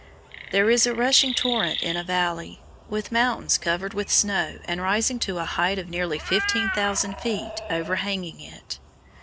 There is a rushing torrent in a valley, with mountains, covered with snow and rising to a height of nearly 15,000 feet, overhanging it.